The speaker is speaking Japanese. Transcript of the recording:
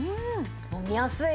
飲みやすい。